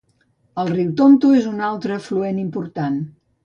El riu Tonto és un altre afluent important.